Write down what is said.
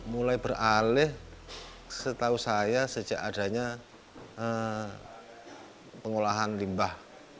mulai beralih setahu saya sejak adanya pengolahan limbah